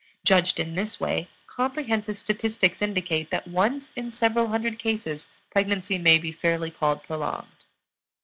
Judged in this way, comprehensive statistics indicate that once in several hundred cases pregnancy may be fairly called prolonged.